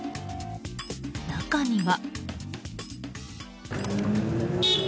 中には。